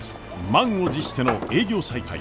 満を持しての営業再開。